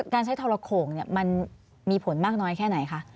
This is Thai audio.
การใช้ทรโข่งมันมีผลมากน้อยแค่ไหนคะ